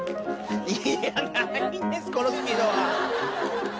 いや、ないです、このスピードは。